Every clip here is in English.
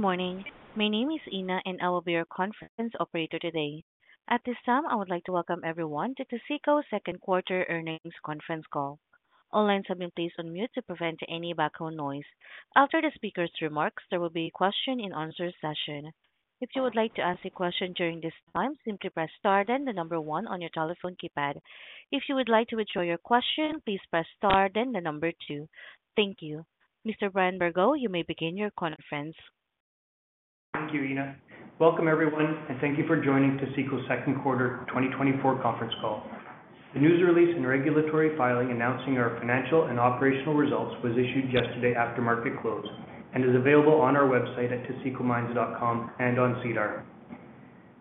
Morning. My name is Ina, and I will be your conference operator today. At this time, I would like to welcome everyone to Taseko's Q2 earnings conference call. All lines have been placed on mute to prevent any background noise. After the speaker's remarks, there will be a Q&A session. If you would like to ask a question during this time, simply press star, then the number one on your telephone keypad. If you would like to withdraw your question, please press star, then the number two. Thank you. Mr. Brian Bergot, you may begin your conference. Thank you, Ina. Welcome, everyone, and thank you for joining Taseko's Q2 2024 conference call. The news release and regulatory filing announcing our financial and operational results was issued yesterday after market close, and is available on our website at tasekomines.com and on SEDAR.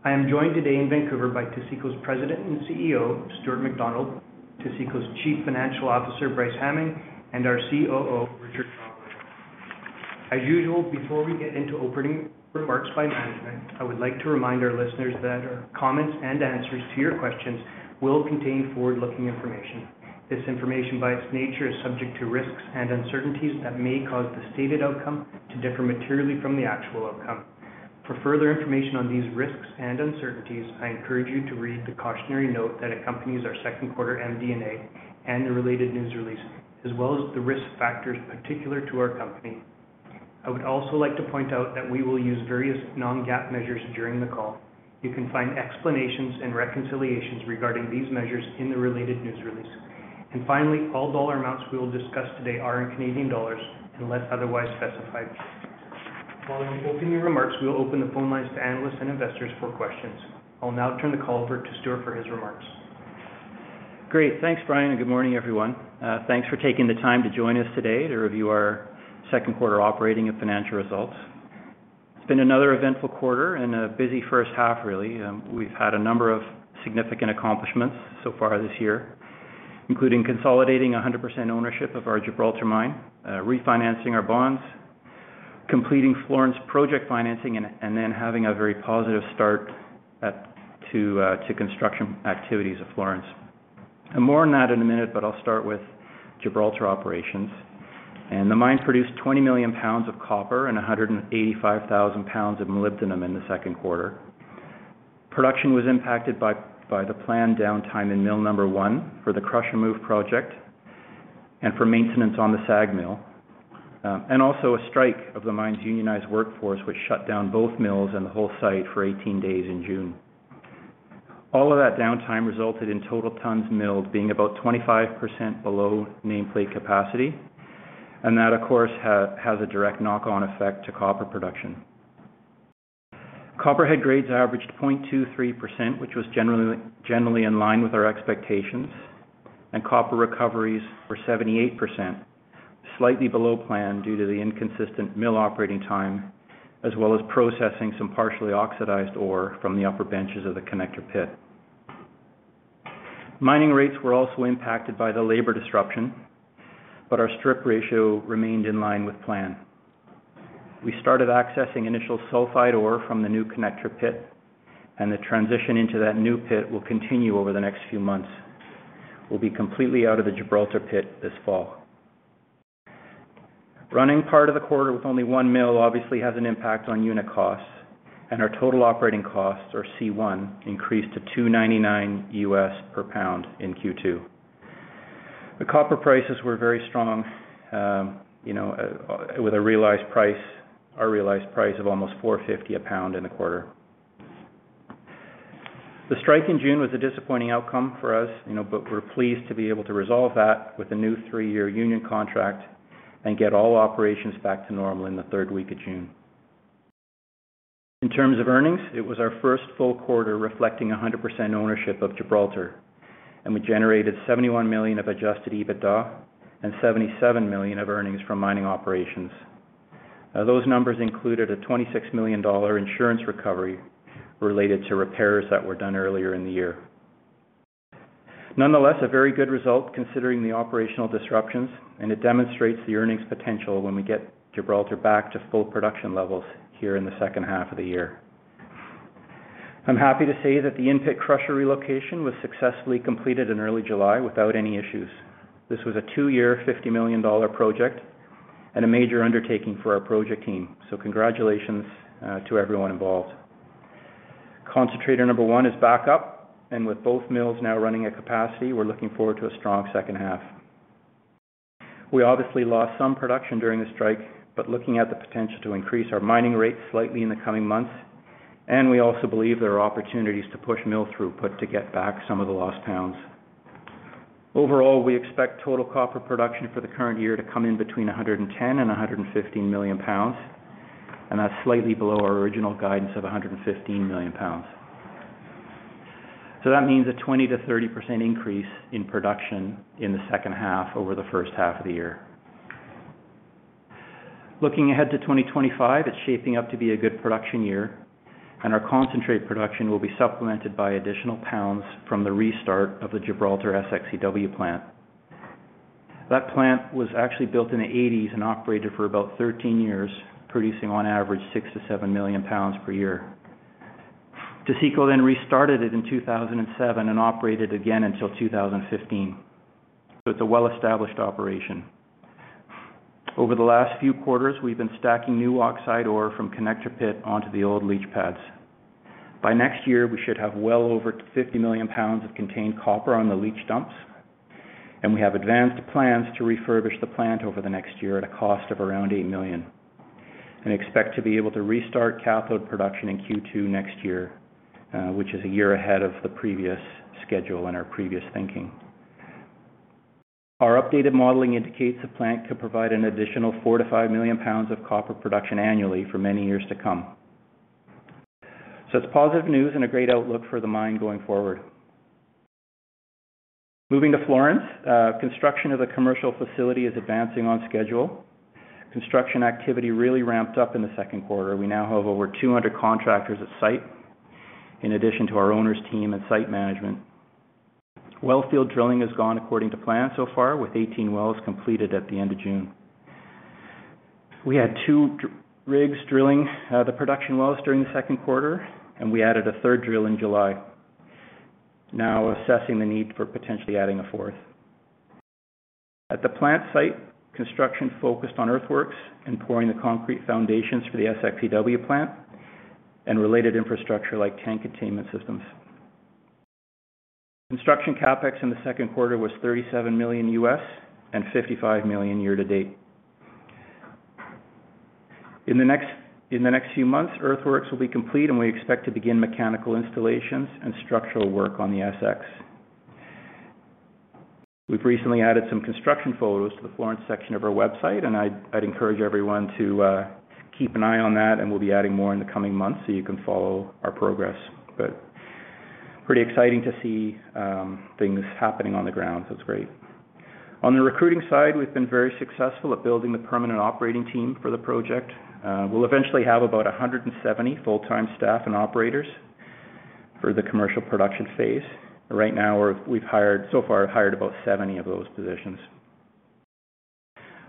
I am joined today in Vancouver by Taseko's President and CEO, Stuart McDonald, Taseko's Chief Financial Officer, Bryce Hamming, and our COO, Richard Shaw. As usual, before we get into opening remarks by management, I would like to remind our listeners that our comments and answers to your questions will contain forward-looking information. This information, by its nature, is subject to risks and uncertainties that may cause the stated outcome to differ materially from the actual outcome. For further information on these risks and uncertainties, I encourage you to read the cautionary note that accompanies our Q2 MD&A and the related news release, as well as the risk factors particular to our company. I would also like to point out that we will use various non-GAAP measures during the call. You can find explanations and reconciliations regarding these measures in the related news release. And finally, all dollar amounts we will discuss today are in Canadian dollars, unless otherwise specified. Following opening remarks, we will open the phone lines to analysts and investors for questions. I'll now turn the call over to Stuart for his remarks. Great. Thanks, Brian, and good morning, everyone. Thanks for taking the time to join us today to review our Q2 operating and financial results. It's been another eventful quarter and a busy first half, really. We've had a number of significant accomplishments so far this year, including consolidating 100% ownership of our Gibraltar mine, refinancing our bonds, completing Florence project financing, and then having a very positive start to construction activities at Florence. And more on that in a minute, but I'll start with Gibraltar operations. The mine produced 20 million pounds of copper and 185,000 pounds of molybdenum in the Q2. Production was impacted by the planned downtime in mill number one for the crusher move project and for maintenance on the SAG mill. Also a strike of the mine's unionized workforce, which shut down both mills and the whole site for 18 days in June. All of that downtime resulted in total tons milled being about 25% below nameplate capacity, and that, of course, has a direct knock-on effect to copper production. Copper head grades averaged 0.23%, which was generally in line with our expectations, and copper recoveries were 78%, slightly below plan due to the inconsistent mill operating time, as well as processing some partially oxidized ore from the upper benches of the Connector Pit. Mining rates were also impacted by the labor disruption, but our strip ratio remained in line with plan. We started accessing initial sulfide ore from the new connector pit, and the transition into that new pit will continue over the next few months. We'll be completely out of the Gibraltar pit this fall. Running part of the quarter with only one mill obviously has an impact on unit costs, and our total operating costs, or C1, increased to $2.99 per pound in Q2. The copper prices were very strong, with a realized price, our realized price of almost $4.50 a pound in a quarter. The strike in June was a disappointing outcome for us, you know, but we're pleased to be able to resolve that with a new 3-year union contract and get all operations back to normal in the third week of June. In terms of earnings, it was our first full quarter, reflecting 100% ownership of Gibraltar, and we generated 71 million of adjusted EBITDA and 77 million of earnings from mining operations. Those numbers included a 26 million dollar insurance recovery related to repairs that were done earlier in the year. Nonetheless, a very good result considering the operational disruptions, and it demonstrates the earnings potential when we get Gibraltar back to full production levels here in the second half of the year. I'm happy to say that the in-pit crusher relocation was successfully completed in early July without any issues. This was a two-year, 50 million dollar project and a major undertaking for our project team, so congratulations to everyone involved. Concentrator number one is back up, and with both mills now running at capacity, we're looking forward to a strong second half. We obviously lost some production during the strike, but looking at the potential to increase our mining rate slightly in the coming months, and we also believe there are opportunities to push mill throughput to get back some of the lost pounds. Overall, we expect total copper production for the current year to come in between 110 and 115 million pounds, and that's slightly below our original guidance of 115 million pounds. So that means a 20% to 30% increase in production in the second half over the first half of the year. Looking ahead to 2025, it's shaping up to be a good production year, and our concentrate production will be supplemented by additional pounds from the restart of the Gibraltar SX/EW plant. That plant was actually built in the 1980s and operated for about 13 years, producing on average 6-7 million pounds per year. Taseko then restarted it in 2007 and operated again until 2015. So it's a well-established operation. Over the last few quarters, we've been stacking new oxide ore from Connector pit onto the old leach pads. By next year, we should have well over 50 million pounds of contained copper on the leach dumps, and we have advanced plans to refurbish the plant over the next year at a cost of around 8 million, and expect to be able to restart cathode production in Q2 next year, which is a year ahead of the previous schedule and our previous thinking. Our updated modeling indicates the plant could provide an additional 4 million to 5 million pounds of copper production annually for many years to come. So it's positive news and a great outlook for the mine going forward. Moving to Florence, construction of the commercial facility is advancing on schedule. Construction activity really ramped up in the Q2. We now have over 200 contractors at site, in addition to our owner's team, and site management. Wellfield drilling has gone according to plan so far, with 18 wells completed at the end of June. We had two drill rigs drilling the production wells during the Q2, and we added a third drill in July, now assessing the need for potentially adding a fourth. At the plant site, construction focused on earthworks and pouring the concrete foundations for the SX/EW plant and related infrastructure like tank containment systems. Construction CapEx in the Q2 was $37 million and $55 million year to date. In the next few months, earthworks will be complete, and we expect to begin mechanical installations and structural work on the SX. We've recently added some construction photos to the Florence section of our website, and I'd encourage everyone to keep an eye on that, and we'll be adding more in the coming months so you can follow our progress. But pretty exciting to see things happening on the ground. So it's great. On the recruiting side, we've been very successful at building the permanent operating team for the project. We'll eventually have about 170 full-time staff and operators for the commercial production phase. Right now, we've hired so far about 70 of those positions.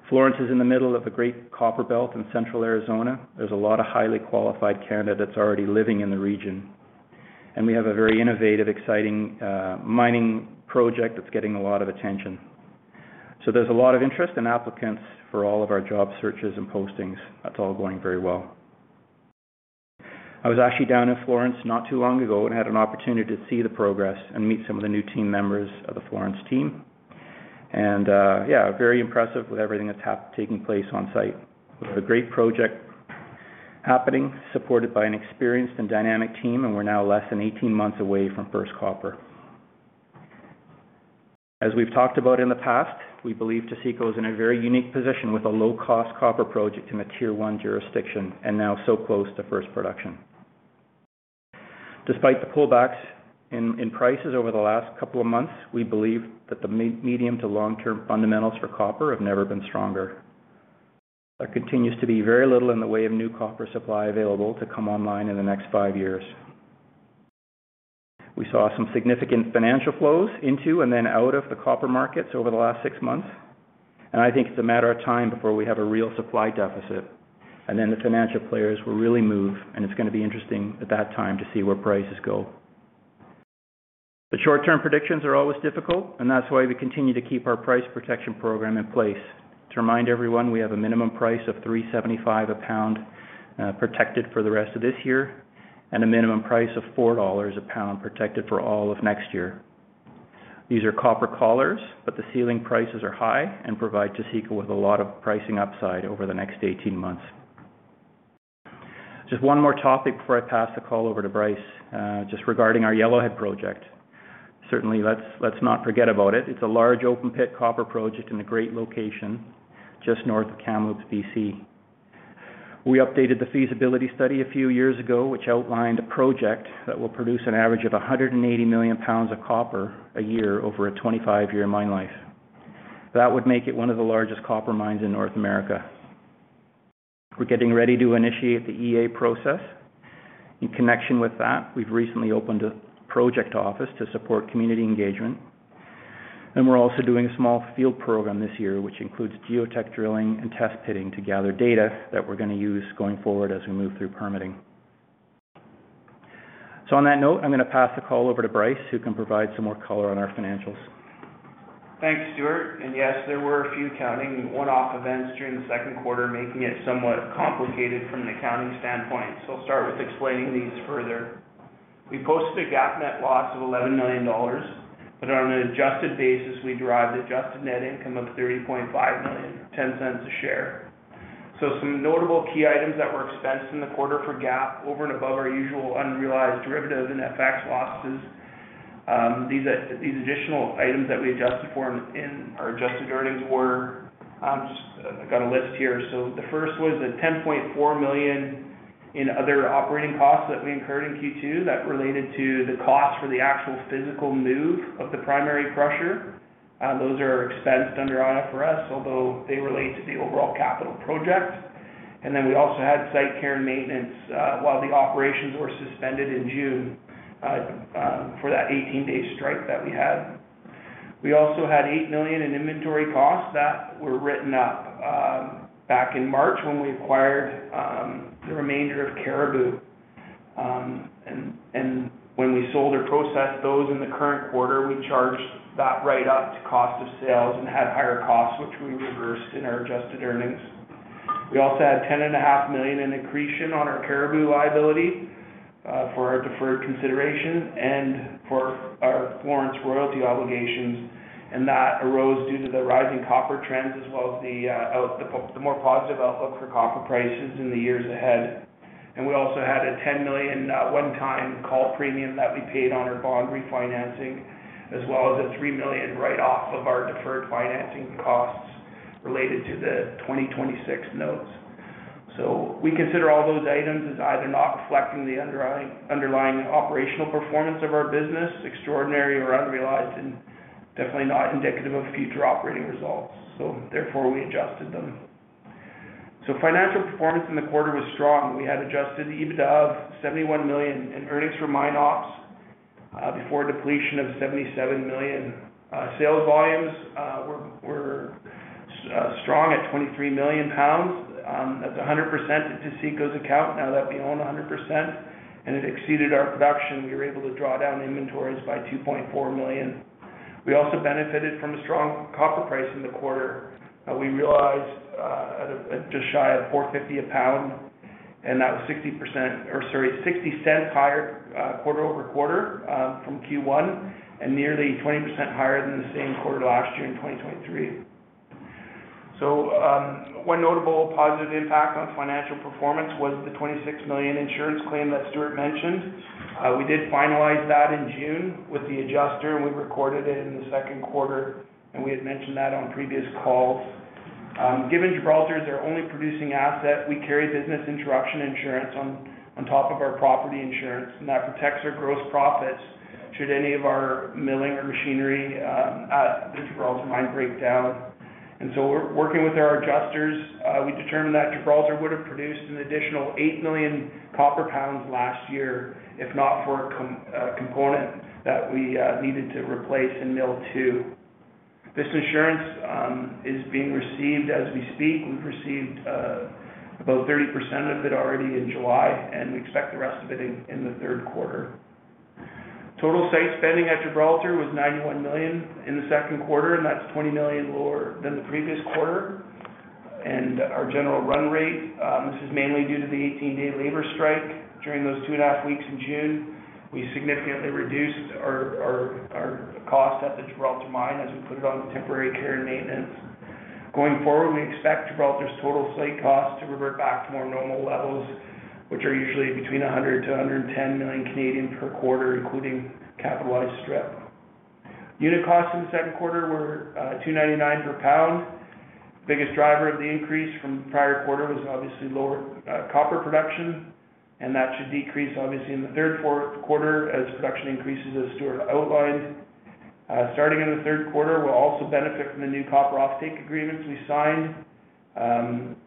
Florence is in the middle of a great copper belt in central Arizona. There's a lot of highly qualified candidates already living in the region, and we have a very innovative, exciting mining project that's getting a lot of attention. So there's a lot of interest in applicants for all of our job searches and postings. That's all going very well. I was actually down in Florence not too long ago and had an opportunity to see the progress and meet some of the new team members of the Florence team. And, yeah, very impressive with everything that's taking place on site. We have a great project happening, supported by an experienced and dynamic team, and we're now less than 18 months away from first copper. As we've talked about in the past, we believe Taseko is in a very unique position with a low-cost copper project in a Tier One jurisdiction and now so close to first production. Despite the pullbacks in prices over the last couple of months, we believe that the medium to long-term fundamentals for copper have never been stronger. There continues to be very little in the way of new copper supply available to come online in the next 5 years. We saw some significant financial flows into and then out of the copper markets over the last 6 months, and I think it's a matter of time before we have a real supply deficit, and then the financial players will really move, and it's going to be interesting at that time to see where prices go. The short-term predictions are always difficult, and that's why we continue to keep our price protection program in place. To remind everyone, we have a minimum price of $3.75 a pound protected for the rest of this year and a minimum price of $4 a pound protected for all of next year. These are copper collars, but the ceiling prices are high and provide Taseko with a lot of pricing upside over the next 18 months. Just one more topic before I pass the call over to Bryce, just regarding our Yellowhead project. Certainly, let's, let's not forget about it. It's a large open pit copper project in a great location, just north of Kamloops, BC. We updated the feasibility study a few years ago, which outlined a project that will produce an average of 180 million pounds of copper a year over a 25-year mine life. That would make it one of the largest copper mines in North America. We're getting ready to initiate the EA process. In connection with that, we've recently opened a project office to support community engagement, and we're also doing a small field program this year, which includes geotech drilling and test pitting to gather data that we're going to use going forward as we move through permitting. So on that note, I'm going to pass the call over to Bryce, who can provide some more color on our financials. Thanks, Stuart. Yes, there were a few accounting one-off events during the Q2, making it somewhat complicated from an accounting standpoint. So I'll start with explaining these further. We posted a GAAP net loss of $11 million, but on an adjusted basis, we derived adjusted net income of $30.5 million, $0.10 a share. So some notable key items that were expensed in the quarter for GAAP over and above our usual unrealized derivative and FX losses, these additional items that we adjusted for in our adjusted earnings were. Just I've got a list here. So the first was $10.4 million in other operating costs that we incurred in Q2 that related to the cost for the actual physical move of the primary crusher. Those are expensed under IFRS, although they relate to the overall capital project. And then we also had site care and maintenance, while the operations were suspended in June, for that 18-day strike that we had. We also had 8 million in inventory costs that were written up, back in March when we acquired the remainder of Cariboo. And when we sold or processed those in the current quarter, we charged that right up to cost of sales and had higher costs, which we reversed in our adjusted earnings. We also had 10.5 million in accretion on our Caribou liability, for our deferred consideration and for our Florence royalty obligations. And that arose due to the rising copper trends as well as the more positive outlook for copper prices in the years ahead. We also had a 10 million one-time call premium that we paid on our bond refinancing, as well as a 3 million write-off of our deferred financing costs related to the 2026 notes. So we consider all those items as either not reflecting the underlying, underlying operational performance of our business, extraordinary or unrealized, and definitely not indicative of future operating results. So therefore, we adjusted them. So financial performance in the quarter was strong. We had Adjusted EBITDA of 71 million and earnings for mine ops before depletion of 77 million. Sales volumes were strong at 23 million pounds. That's 100% of Taseko's account, now that we own 100%, and it exceeded our production. We were able to draw down inventories by 2.4 million. We also benefited from a strong copper price in the quarter. We realized at just shy of $4.50 a pound, and that was 60%, or sorry, $0.60 higher quarter-over-quarter from Q1, and nearly 20% higher than the same quarter last year in 2023. One notable positive impact on financial performance was the $26 million insurance claim that Stuart mentioned. We did finalize that in June with the adjuster, and we've recorded it in the Q2, and we had mentioned that on previous calls. Given Gibraltar is our only producing asset, we carry business interruption insurance on top of our property insurance, and that protects our gross profits should any of our milling or machinery at the Gibraltar Mine break down. We're working with our adjusters. We determined that Gibraltar would have produced an additional 8 million copper pounds last year, if not for a component that we needed to replace in Mill Two. This insurance is being received as we speak. We've received about 30% of it already in July, and we expect the rest of it in the Q3. Total site spending at Gibraltar was 91 million in the Q2, and that's 20 million lower than the previous quarter. Our general run rate, this is mainly due to the 18 day labor strike. During those two and a half weeks in June, we significantly reduced our cost at the Gibraltar mine, as we put it on temporary care and maintenance. Going forward, we expect Gibraltar's total site cost to revert back to more normal levels, which are usually between 100 million to 110 million per quarter, including capitalized strip. Unit costs in the Q2 were $2.99 per pound. Biggest driver of the increase from the prior quarter was obviously lower copper production, and that should decrease obviously in the Q3 and Q4 as production increases, as Stuart outlined. Starting in the Q3, we'll also benefit from the new copper offtake agreements we signed.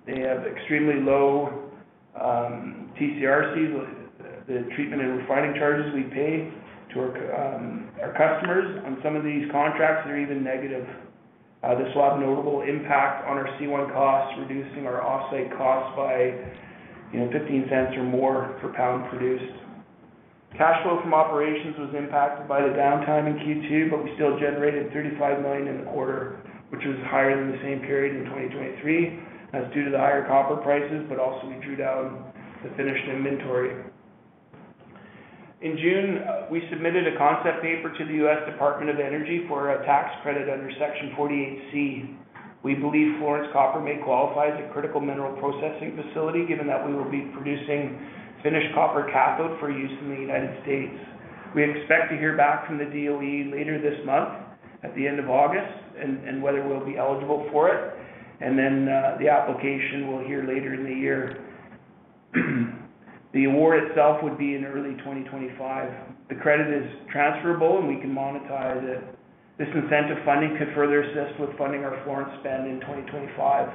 They have extremely low TCRC, the treatment and refining charges we pay to our co, our customers. On some of these contracts, they're even negative. This will have notable impact on our C1 costs, reducing our off-site costs by, you know, $0.15 or more per pound produced. Cash flow from operations was impacted by the downtime in Q2, but we still generated 35 million in the quarter, which was higher than the same period in 2023. That's due to the higher copper prices, but also we drew down the finished inventory. In June, we submitted a concept paper to the U.S. Department of Energy for a tax credit under Section 48C. We believe Florence Copper may qualify as a critical mineral processing facility, given that we will be producing finished copper cathode for use in the United States. We expect to hear back from the DOE later this month, at the end of August, and whether we'll be eligible for it. And then, the application, we'll hear later in the year. The award itself would be in early 2025. The credit is transferable, and we can monetize it. This incentive funding could further assist with funding our Florence spend in 2025.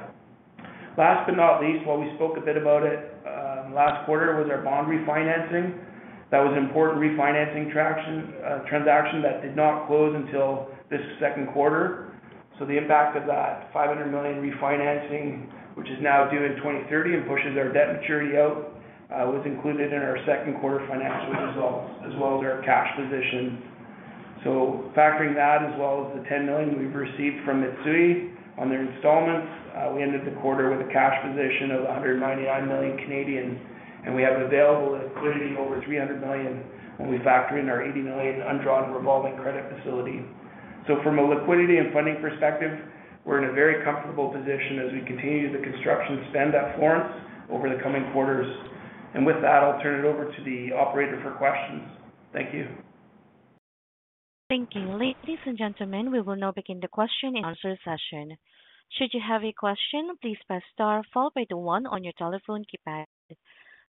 Last but not least, while we spoke a bit about it, last quarter, was our bond refinancing. That was an important refinancing transaction, that did not close until this Q2. So the impact of that $500 million refinancing, which is now due in 2030 and pushes our debt maturity out, was included in our Q2 financial results, as well as our cash position. So factoring that, as well as the $10 million we've received from Mitsui on their installments, we ended the quarter with a cash position of 199 million, and we have available liquidity over 300 million when we factor in our 80 million undrawn revolving credit facility. From a liquidity and funding perspective, we're in a very comfortable position as we continue the construction spend at Florence over the coming quarters. With that, I'll turn it over to the operator for questions. Thank you. Thank you. Ladies and gentlemen, we will now begin the Q&A session. Should you have a question, please press star followed by the one on your telephone keypad.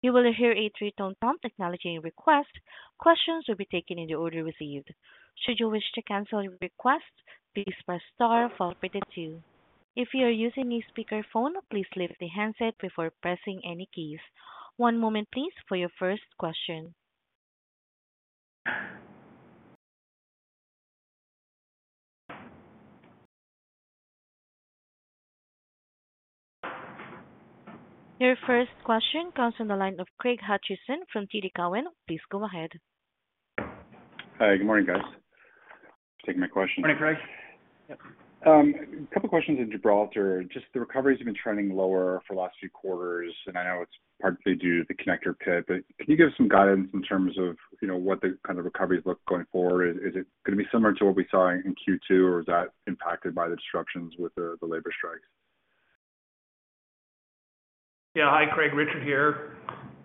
You will hear a three-tone prompt acknowledging your request. Questions will be taken in the order received. Should you wish to cancel your request, please press star followed by the two. If you are using a speakerphone, please lift the handset before pressing any keys. One moment, please, for your first question. Your first question comes on the line of Craig Hutchison from TD Cowen. Please go ahead. Hi, good morning, guys. Thanks for taking my question. Good morning, Craig. Yep, a couple of questions in Gibraltar. Just the recoveries have been trending lower for the last few quarters, and I know it's partly due to the connector pit, but can you give us some guidance in terms of, you know, what the kind of recoveries look going forward? Is it gonna be similar to what we saw in Q2, or is that impacted by the disruptions with the labor strikes? Yeah. Hi, Craig, Richard here.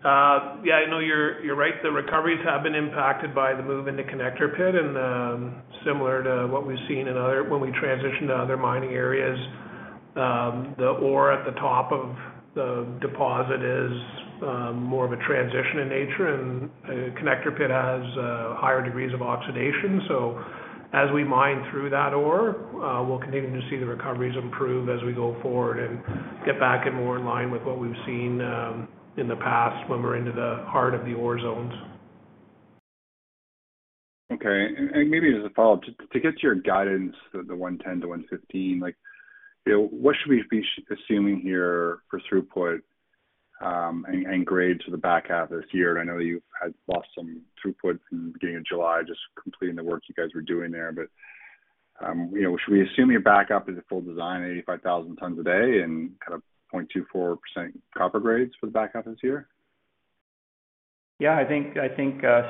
Yeah, I know you're, you're right. The recoveries have been impacted by the move in the connector pit, and, similar to what we've seen in other-- when we transitioned to other mining areas, the ore at the top of the deposit is, more of a transition in nature, and, connector pit has, higher degrees of oxidation. So as we mine through that ore, we'll continue to see the recoveries improve as we go forward and get back and more in line with what we've seen, in the past when we're into the heart of the ore zones. Okay. And maybe as a follow-up, to get to your guidance, the 110 to 115, like, you know, what should we be assuming here for throughput, and grade to the back half of this year? I know you've had lost some throughput in the beginning of July, just completing the work you guys were doing there. But, you know, should we assume your back half is a full design, 85,000 tons a day and kind of 0.24% copper grades for the back half of this year? Yeah, I think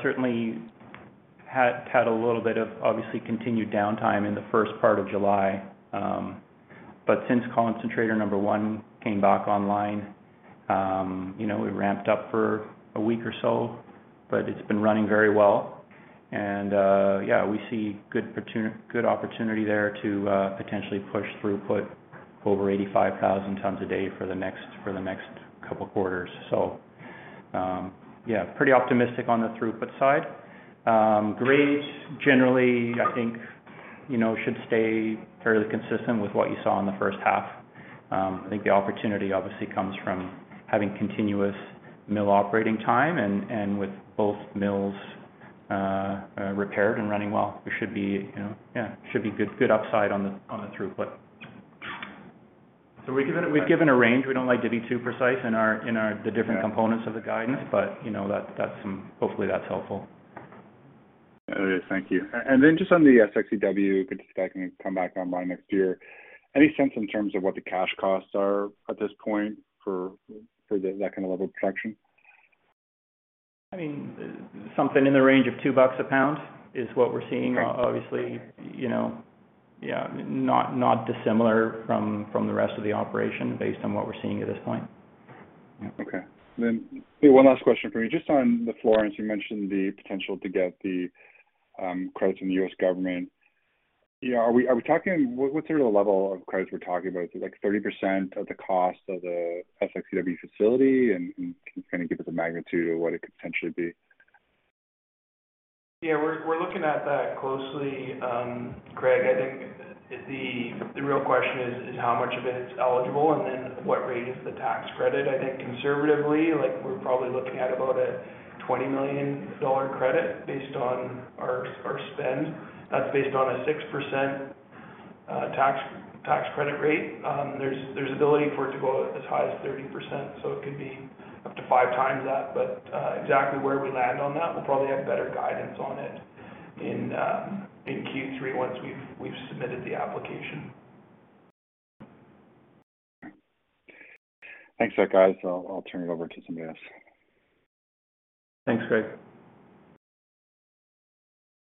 certainly had a little bit of obviously continued downtime in the first part of July. But since concentrator number one came back online, you know, we ramped up for a week or so, but it's been running very well. And yeah, we see good opportunity there to potentially push throughput over 85,000 tons a day for the next couple quarters. So yeah, pretty optimistic on the throughput side. Grades, generally, I think, you know, should stay fairly consistent with what you saw in the first half. I think the opportunity obviously comes from having continuous mill operating time, and with both mills repaired and running well, we should be, you know. Yeah, should be good upside on the throughput. So we've given, we've given a range. We don't like to be too precise in our, in our, the different components of the guidance, but, you know, that's hopefully that's helpful. It is. Thank you. And then just on the SXEW, expecting to come back online next year, any sense in terms of what the cash costs are at this point for that kind of level of production? I mean, something in the range of $2 a pound is what we're seeing. Obviously, you know, yeah, not dissimilar from the rest of the operation based on what we're seeing at this point. Yeah. Okay. Then one last question for you. Just on the Florence, you mentioned the potential to get the credits from the U.S. government. Yeah, are we, are we talking... What's sort of the level of credits we're talking about? Is it, like, 30% of the cost of the SXEW facility? And can you kind of give us a magnitude of what it could potentially be? Yeah, we're looking at that closely, Craig. I think the real question is how much of it is eligible and then what rate is the tax credit? I think conservatively, like, we're probably looking at about a 20 million dollar credit based on our spend. That's based on a 6% tax credit rate. There's ability for it to go as high as 30%, so it could be up to five times that. But exactly where we land on that, we'll probably have better guidance on it in Q3 once we've submitted the application. Thanks for that, guys. I'll turn it over to somebody else. Thanks, Craig.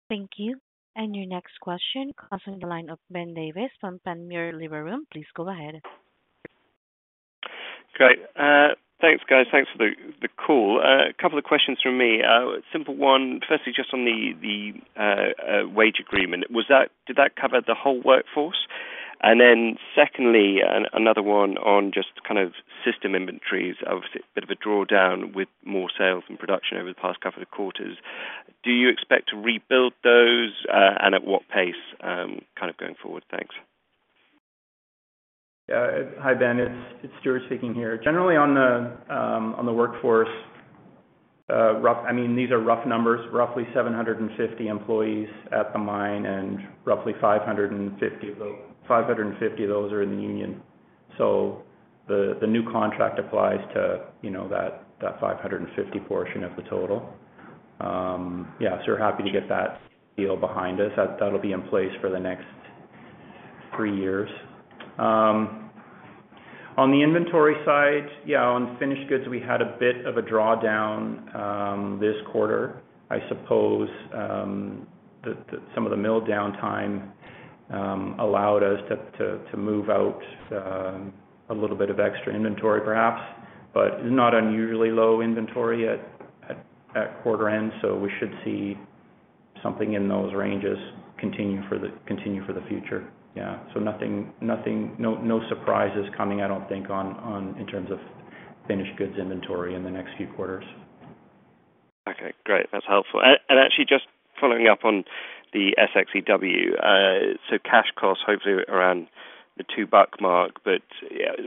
Thank you. Your next question comes from the line of Ben Davis from Panmure Gordon. Please go ahead. Great. Thanks, guys. Thanks for the call. A couple of questions from me. A simple one, firstly, just on the wage agreement, did that cover the whole workforce? And then secondly, another one on just kind of system inventories. Obviously, a bit of a drawdown with more sales and production over the past couple of quarters. Do you expect to rebuild those, and at what pace, kind of going forward? Thanks. Hi, Ben. It's Stuart speaking here. Generally, on the workforce, I mean, these are rough numbers, roughly 750 employees at the mine, and roughly 550 of those are in the union. So the new contract applies to, you know, that 550 portion of the total. Yeah, so we're happy to get that deal behind us. That'll be in place for the next three years. On the inventory side, yeah, on finished goods, we had a bit of a drawdown this quarter. I suppose, the some of the mill downtime allowed us to move out a little bit of extra inventory, perhaps, but not unusually low inventory at quarter end, so we should see something in those ranges continue for the future. Yeah, so nothing, no surprises coming, I don't think, on in terms of finished goods inventory in the next few quarters. Okay, great. That's helpful. And actually just following up on the SX/EW, so cash costs hopefully around the $2 mark, but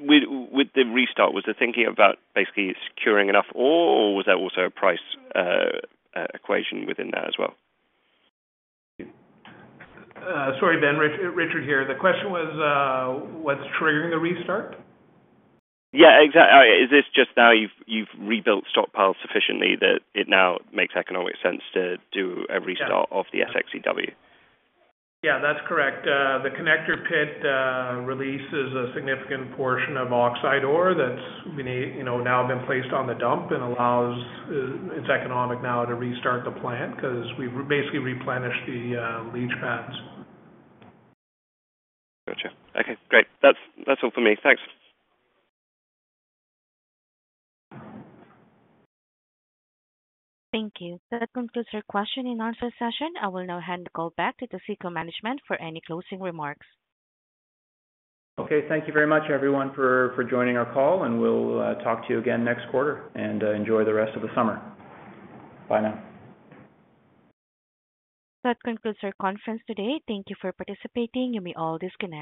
with the restart, was the thinking about basically securing enough ore, or was there also a price equation within that as well? Sorry, Ben, Richard here. The question was, what's triggering the restart? Yeah, exactly, is this just now you've rebuilt stockpiles sufficiently that it now makes economic sense to do a restart? Yeah. -of the SX/EW? Yeah, that's correct. The connector pit releases a significant portion of oxide ore that's been, you know, now been placed on the dump and allows. It's economic now to restart the plant, 'cause we basically replenished the leach pads. Gotcha. Okay, great. That's, that's all for me. Thanks. Thank you. That concludes our question and answer session. I will now hand the call back to the Taseko management for any closing remarks. Okay, thank you very much, everyone, for joining our call, and we'll talk to you again next quarter. Enjoy the rest of the summer. Bye now. That concludes our conference today. Thank you for participating, you may all disconnect.